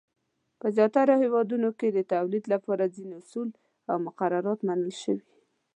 په زیاترو هېوادونو کې د تولید لپاره ځینې اصول او مقررات منل شوي.